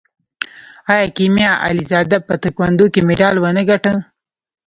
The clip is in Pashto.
آیا کیمیا علیزاده په تکواندو کې مډال ونه ګټه؟